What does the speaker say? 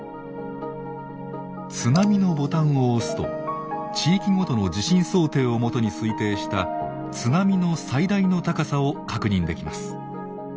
「津波」のボタンを押すと地域ごとの地震想定を基に推定した津波の最大の高さを確認できます。